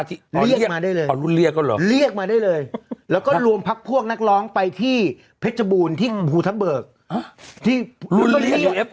อันก็เรียกว่ามาได้เลย